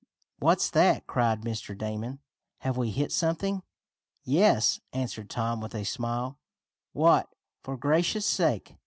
What's that?" cried Mr. Damon. "Have we hit something?" "Yes," answered Tom with a smile. "What, for gracious sake?"